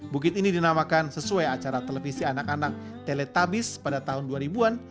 bukit ini dinamakan sesuai acara televisi anak anak teletabis pada tahun dua ribu an